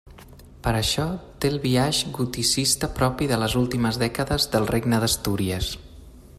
Per això, té el biaix goticista propi de les últimes dècades del Regne d'Astúries.